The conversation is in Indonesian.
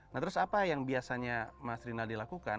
nah terus apa yang biasanya mas rinaldi lakukan